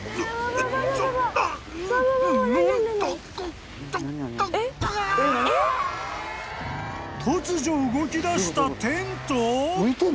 ［突如動きだしたテント！？］